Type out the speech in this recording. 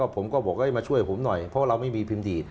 ผมก็บอกให้มาช่วยผมหน่อยเพราะว่าเราไม่มีพิมพ์ดีต